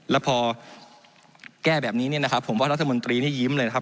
แล้วพอแก้แบบนี้เนี่ยนะครับผมว่ารัฐมนตรีนี่ยิ้มเลยนะครับ